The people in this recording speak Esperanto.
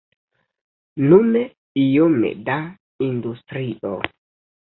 Nune iome da industrio.